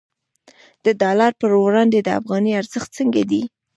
د ډالر پر وړاندې د افغانۍ ارزښت څنګه دی؟